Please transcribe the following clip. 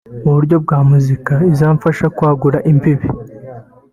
mu buryo bwa muzika izamfasha kwagura imbibi